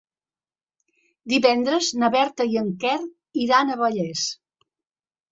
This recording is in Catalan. Divendres na Berta i en Quer iran a Vallés.